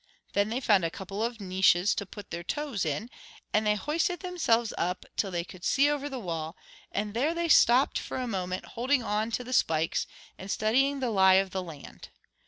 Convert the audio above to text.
Then they found a couple of niches to put their toes in, and they hoisted themselves up till they could see over the wall; and there they stopped for a moment, holding on to the spikes, and studying the lie of the land.